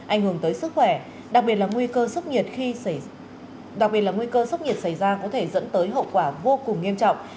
ảnh hưởng tới sức khỏe đặc biệt là nguy cơ sốc nhiệt xảy ra có thể dẫn tới hậu quả vô cùng nghiêm trọng